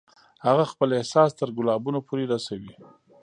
هغه خپل احساس تر ګلابونو پورې رسوي